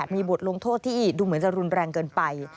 มีบทลงโทษที่ดูเหมือนจะรุนแรงเกินไป